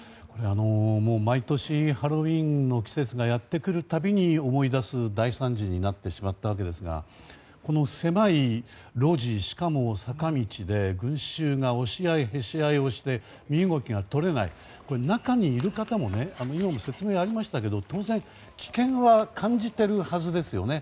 毎年ハロウィーンの季節がやってくるたびに思い出す大惨事になってしまったわけですがこの狭い路地、しかも坂道で群衆が押し合いへし合いをして身動きが取れない、中にいる方もあのように説明がありましたが当然、危険は感じているはずですよね。